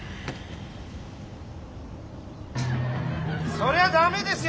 そりゃ駄目ですよ